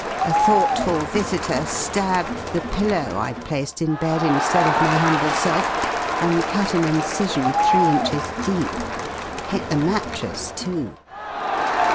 A thoughtful visitor stabbed the pillow I'd placed in bed instead of my humble self, and cut an incision three inches deep. Hit the mattress, too!"